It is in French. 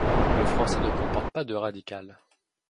Le français ne comporte pas de radicale.